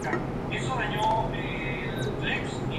Es el único parque nacional en esa región insular.